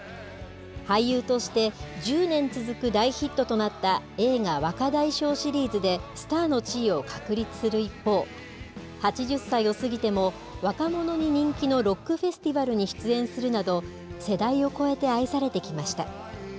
俳優として１０年続く大ヒットとなった映画、若大将シリーズでスターの地位を確立する一方、８０歳を過ぎても、若者に人気のロックフェスティバルに出演するなど、世代を超えて愛されてきました。